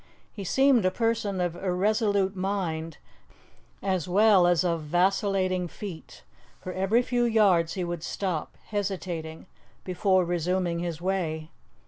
He seemed a person of irresolute mind, as well as of vacillating feet, for every few yards he would stop, hesitating, before resuming his way.